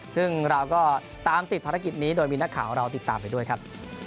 ซึ่งเราก็ตามติดภารกิจนี้โดยมีนักข่าวเราติดตามไปด้วยครับ